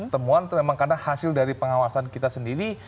temuan itu memang karena hasil dari pengawasan kita sendiri